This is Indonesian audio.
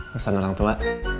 perasaan orang tua